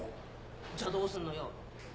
じゃどうすんのよ。